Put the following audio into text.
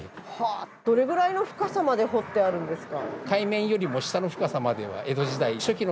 どれぐらいの深さまで掘ってあるんですか？